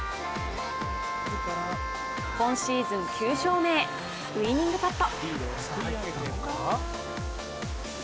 今シーズン９勝目へ、ウィニングパット。